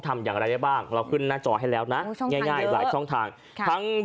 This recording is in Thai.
ก็กลางเมืองเลยครับ